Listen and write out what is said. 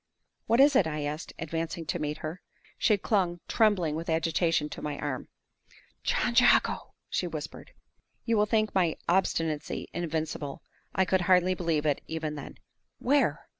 "What is it?" I asked, advancing to meet her. She clung, trembling with agitation, to my arm. "John Jago!" she whispered. You will think my obstinacy invincible. I could hardly believe it, even then! "Where?"